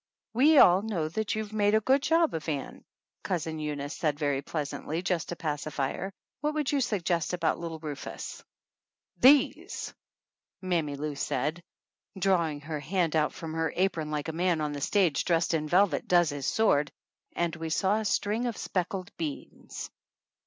"We all know that you made a good job of Ann," Cousin Eunice said very pleasantly just to pacify her. "What would you suggest about little Rufus?" 182 THE ANNALS OF ANN "These!" Mammy Lou said, drawing her hand out from her apron like a man on the stage dressed in velvet does his sword and we saw a string of speckled beans.